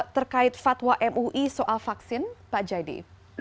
terkait fatwa mui soal vaksin pak jaidi